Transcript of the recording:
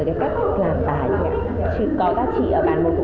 hẹn gặp lại các bạn trong những video tiếp theo